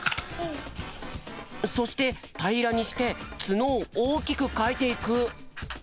そしてたいらにしてツノをおおきくかいていく。